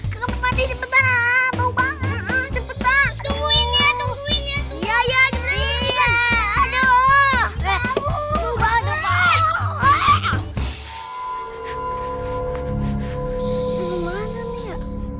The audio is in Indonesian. sampai jumpa di video selanjutnya